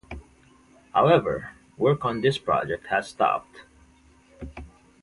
However, work on this project has stopped.